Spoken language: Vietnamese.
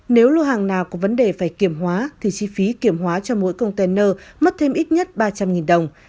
nếu lô hàng nào có vấn đề phải kiểm hóa thì chi phí kiểm hóa cho mỗi container mất thêm ít nhất ba trăm linh đồng